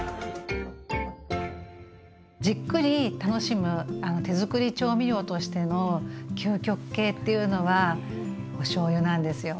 じっくり楽しむ手づくり調味料としての究極形っていうのはおしょうゆなんですよ。